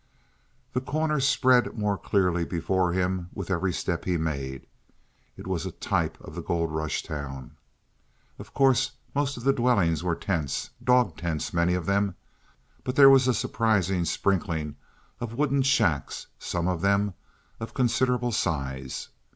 The Corner spread more clearly before him with every step he made. It was a type of the gold rush town. Of course most of the dwellings were tents dog tents many of them; but there was a surprising sprinkling of wooden shacks, some of them of considerable size.